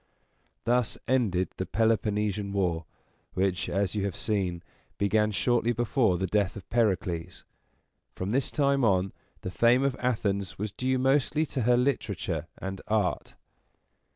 Thus ended the Peloponnesian War, which, as you have seen, began shortly before the death of Pericles. From this time on, the fame of Athens was due mostly to her literature and art.